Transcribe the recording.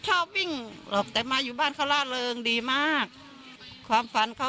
ชอบวิ่งหรอกแต่มาอยู่บ้านเขาล่าเริงดีมากความฝันเขา